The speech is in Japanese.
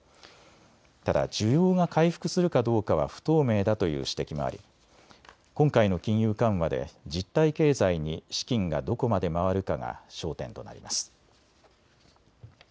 ただ需要が回復するかどうかは不透明だという指摘もあり今回の金融緩和で実体経済に資金がどこまで回るかが焦点となります。